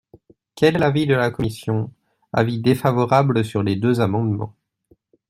Quel est l’avis de la commission ? Avis défavorable sur les deux amendements.